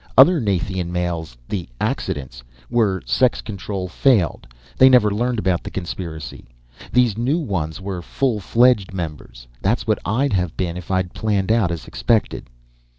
Other Nathian males the accidents where sex control failed they never learned about the conspiracy. These new ones were full fledged members. That's what I'd have been if I'd panned out as expected."